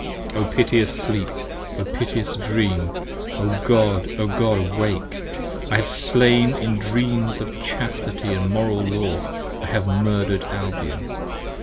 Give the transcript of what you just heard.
O piteous Sleep, O piteous Dream! O God, O God, awake! I have slain, In Dreams of Chasti(ti)ty & Moral Law I have Murdered Albion!